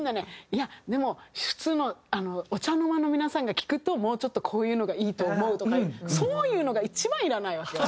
「いやでも普通のお茶の間の皆さんが聴くともうちょっとこういうのがいいと思う」とかそういうのが一番いらないわけよ。